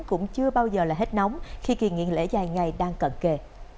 cũng chưa bao giờ hết nóng khi kỷ niệm lễ dài ngày đang cận kề